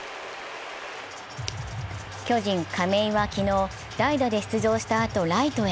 巨人・亀井は昨日、代打で出場したあと、ライトへ。